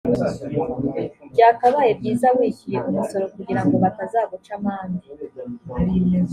byakabaye byiza wishyuye umusoro kugirango batazaguca amande